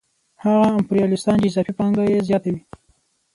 هغه امپریالیستان چې اضافي پانګه یې زیاته وي